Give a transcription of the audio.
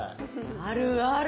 あるある。